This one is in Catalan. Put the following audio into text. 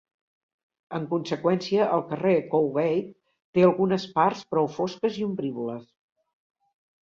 En conseqüència, el carrer Cowgate té algunes parts prou fosques i ombrívoles.